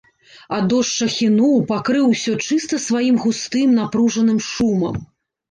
А дождж ахінуў, пакрыў усё чыста сваім густым, напружаным шумам.